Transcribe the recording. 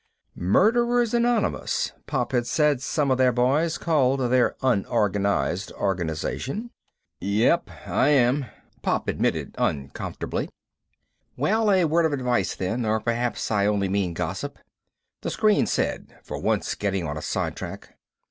Murderers Anonymous, Pop had said some of their boys called their unorganized organization. "Yep, I am," Pop admitted uncomfortably. "Well, a word of advice then, or perhaps I only mean gossip," the screen said, for once getting on a side track.